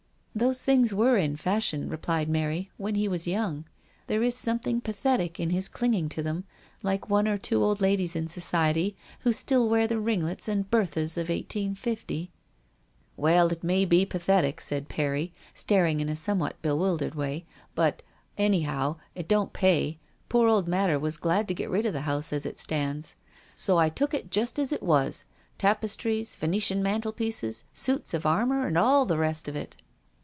"Those things were in fashion," replied Mary, " when he was young. There is some thing pathetic in his clinging to them, like one or two old ladies in society, who still wear the ringlets and berthas of 1850." "Well, it may be pathetic," said Perry, staring in a somewhat bewildered way, " but, anyhow, it don't pay. Poor old Madder was glad to get rid of the house as it stands ; so I took it just as it was : tapestries, Venetian overmantels, suits of armour, and all the rest of it."